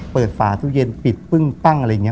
ฝาตู้เย็นปิดปึ้งปั้งอะไรอย่างนี้